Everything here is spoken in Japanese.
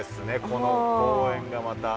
この公園がまた。